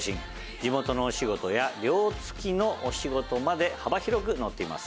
地元のお仕事や寮付きのお仕事まで幅広く載っています。